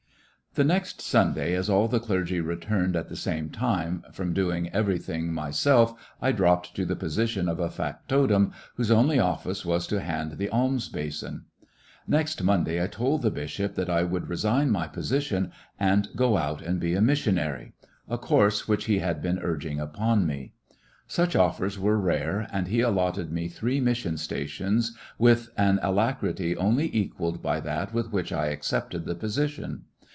/ become a The next Sunday, as all the clergy returned at the same time, from doing everything my self I dropped to the position of a factotum whose only office was to hand the alms basin ! Next Monday I told the bishop that I would resign my position and go out and be a mis * He does yet I 26 missionary 'jyiissionarY in tfie Great West sionary—a course which he had been nrging upon me. Such oflfers were rare, and he allotted me three mission stations with an alacrity only equalled by that with which I accepted the position.